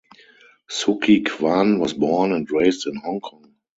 Suki Kwan was born and raised in Hong Kong.